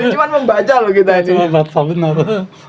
cuma membaca loh kita ini